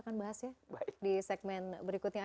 dunia tempat meninggal kita